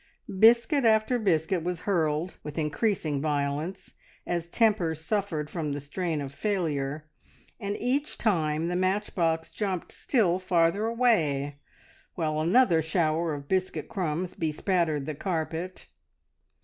Biscuit after biscuit was hurled with increasing violence, as temper suffered from the strain of failure, and each time the matchbox jumped still farther away, while another shower of biscuit crumbs bespattered the carpet.